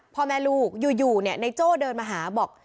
พ่อแม่ลูกอยู่ในโจ้เดินมาหาบอก